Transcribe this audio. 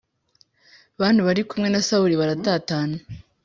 bantu bari kumwe na Sawuli baratatana